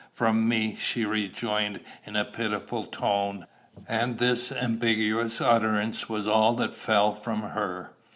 "From me," she rejoined, in a pitiful tone; and this ambiguous utterance was all that fell from her.